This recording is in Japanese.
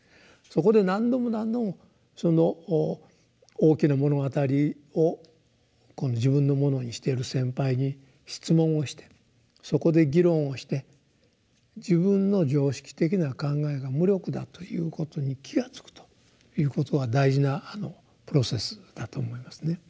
そこで何度も何度もその「大きな物語」を自分のものにしている先輩に質問をしてそこで議論をして自分の常識的な考えが無力だということに気が付くということは大事なプロセスだと思いますね。